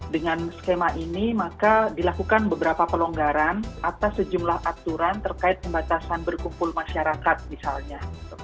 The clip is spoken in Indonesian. dengan skema ini maka dilakukan beberapa pelonggaran atas sejumlah aturan terkait pembatasan berkumpul masyarakat misalnya